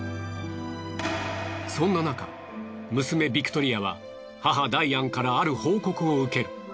そんななか娘ビクトリアは母ダイアンからある報告を受ける。